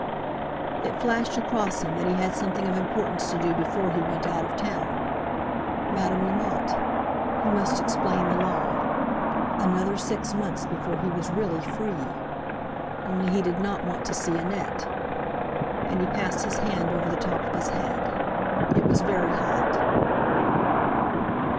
It flashed across him that he had something of importance to do before he went out of town. Madame Lamotte! He must explain the Law. Another six months before he was really free! Only he did not want to see Annette! And he passed his hand over the top of his head—it was very hot.